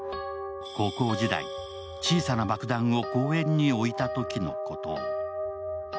高校時代、小さな爆弾を公園に置いたときのことを。